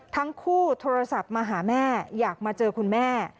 โทรศัพท์มาหาแม่อยากมาเจอคุณแม่